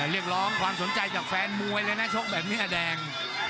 เรียกร้องความสนใจจากแฟนมวยเลยนะชกแบบนี้แดง